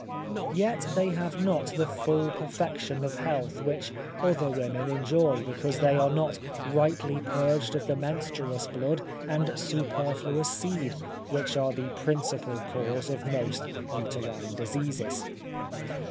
Yet they have not the full perfection of health which other women enjoy, because they are not rightly purged of the menstruous blood and superfluous seed, which are the principal cause of most uterine diseases.